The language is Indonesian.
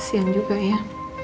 kasian juga ya